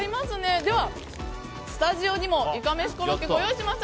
では、スタジオにもいかめしコロッケをご用意しました。